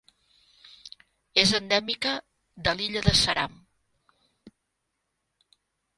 És endèmica de l'illa de Seram.